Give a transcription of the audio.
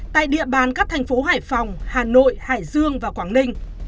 tại địa bàn các thành phố hải phòng hà nội hải dương và quảng ninh